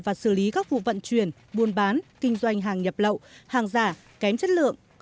và xử lý các vụ vận chuyển buôn bán kinh doanh hàng nhập lậu hàng giả kém chất lượng